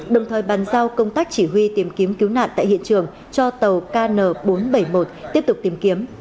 đồng thời bàn giao công tác chỉ huy tìm kiếm cứu nạn tại hiện trường cho tàu kn bốn trăm bảy mươi một tiếp tục tìm kiếm